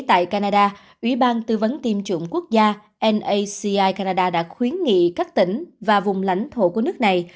tại canada ủy ban tư vấn tiêm chủng quốc gia naci canada đã khuyến nghị các tỉnh và vùng lãnh thổ của nước này